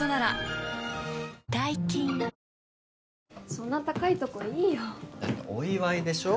そんな高いとこいいよだってお祝いでしょ